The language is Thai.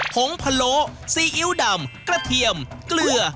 งพะโลซีอิ๊วดำกระเทียมเกลือ